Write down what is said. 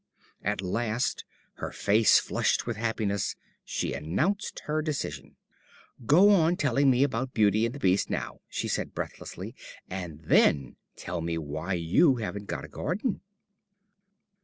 At last, her face flushed with happiness, she announced her decision. "Go on telling me about Beauty and the Beast now," she said breathlessly, "and then tell me why you haven't got a garden."